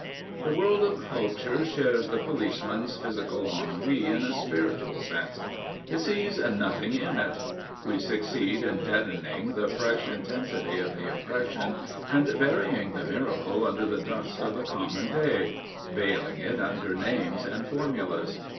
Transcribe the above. The world of culture shares the policeman's physical ennui in a spiritual sense. It sees " nothing in it." We succeed in deadening the fresh intensity of the impression, and burying the miracle under the dust of the common day — veiling it under names and formulas.